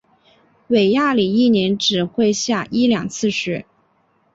韦里亚一年只会下一两次雪。